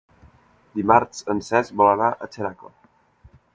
Dimarts en Cesc vol anar a Xeraco.